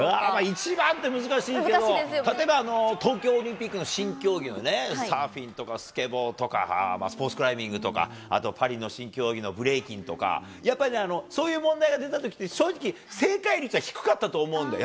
一番って難しいけど、例えば、東京オリンピックの新競技のね、サーフィンとかスケボーとか、スポーツクライミングとか、あとパリの新競技のブレイキンとか、やっぱり、そういう問題が出たときって、正直、正解率は低かったと思うんだ。